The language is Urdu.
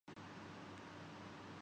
یعنی ان کا درجہ حرارت بڑھ جانے